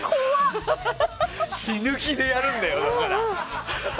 死ぬ気でやるんだよ、だから。